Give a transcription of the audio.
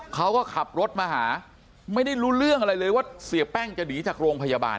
เขาก็ขับรถมาหาไม่ได้รู้เรื่องอะไรเลยว่าเสียแป้งจะหนีจากโรงพยาบาล